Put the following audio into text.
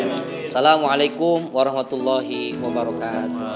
assalamu'alaikum warahmatullahi wabarakatuh